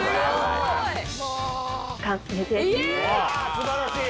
素晴らしい！